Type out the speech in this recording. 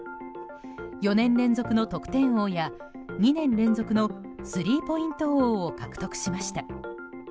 ４年連続の得点王や２年連続のスリーポイント王を獲得しました。